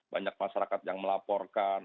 banyak masyarakat yang melaporkan